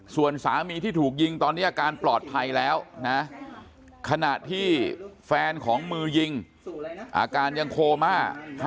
ส่วนสามีที่ถูกยิงตอนนี้อาการปลอดภัยแล้วนะขณะที่แฟนของมือยิงอาการยังโคม่า